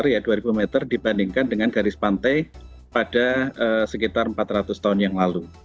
ya dua ribu meter dibandingkan dengan garis pantai pada sekitar empat ratus tahun yang lalu